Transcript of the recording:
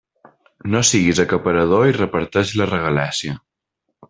No siguis acaparador i reparteix la regalèssia.